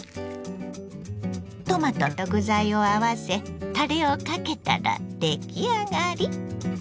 トマトと具材を合わせタレをかけたら出来上がり。